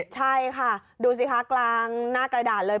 ใช่ค่ะดูสิคะกลางหน้ากระดาษเลย